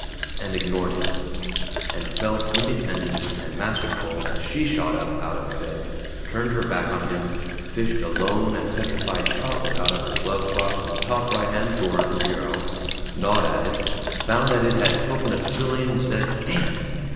and ignored him, and felt independent and masterful as she shot up out of bed, turned her back on him, fished a lone and petrified chocolate out of her glove box in the top right hand drawer of the bureau, gnawed at it, found that it had cocoanut filling, said "Damn!"